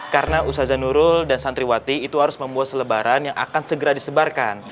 karena usaza nurul dan santriwati itu harus membuat selebaran yang akan segera disebarkan